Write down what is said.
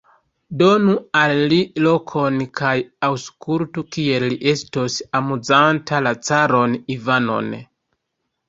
Donu al li lokon kaj aŭskultu, kiel li estos amuzanta la caron Ivanon!